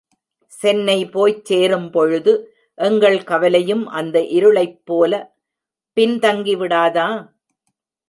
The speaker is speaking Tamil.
சென்னை போய்ச் சேரும்பொழுது, எங்கள் கவலையும் அந்த இருளைப்போலப் பின்தங்கிவிடாதா?